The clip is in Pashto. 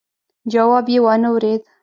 جواب يې وانه ورېد.